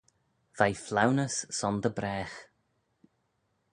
Veih flaunys son dy bragh.